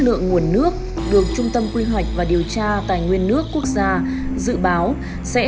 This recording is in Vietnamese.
lượng nguồn nước được trung tâm quy hoạch và điều tra tài nguyên nước quốc gia dự báo sẽ